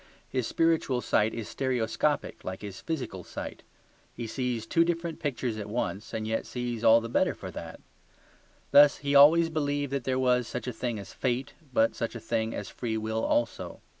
His spiritual sight is stereoscopic, like his physical sight: he sees two different pictures at once and yet sees all the better for that. Thus he has always believed that there was such a thing as fate, but such a thing as free will also.